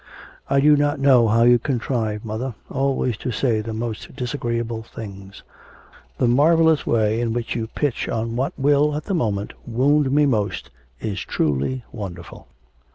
'I do not know how you contrive, mother, always to say the most disagreeable things; the marvellous way in which you pitch on what will, at the moment, wound me most, is truly wonderful.